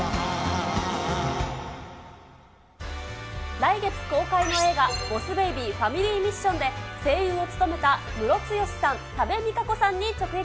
来月公開の映画、ボス・ベイビー・ファミリー・ミッションで声優を務めたムロツヨシさん、多部未華子さんに直撃。